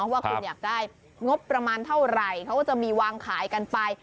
ว่าคุณอยากได้งบประมาณเท่าไหร่เขาก็จะมีวางขายกันไป